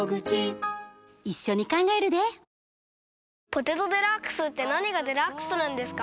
「ポテトデラックス」って何がデラックスなんですか？